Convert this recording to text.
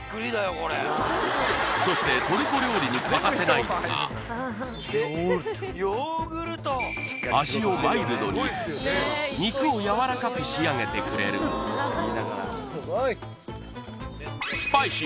これそしてトルコ料理に欠かせないのがヨーグルトヨーグルト味をマイルドに肉をやわらかく仕上げてくれる次はお肉